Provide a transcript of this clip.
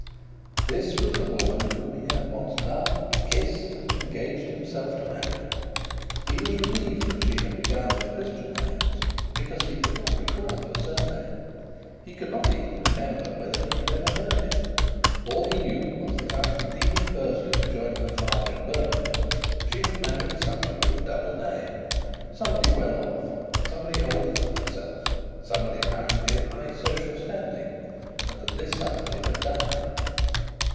This was the woman whom he had once loved, kissed, and engaged himself to marry. He was relieved that she had begun with Christian names, because he could not recall her surname. He could not even remember whether he had ever heard it. All he knew was that, after leaving Bursley to join her father in Birmingham, she had married somebody with a double name, somebody well off, somebody older than herself; somebody apparently of high social standing; and that this somebody had died.